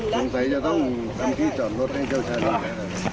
สงสัยจะต้องทำที่จอดรถให้เจ้าชาติ